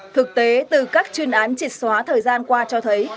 thực tế từ các chuyên án trịt xóa thời gian qua cho thấy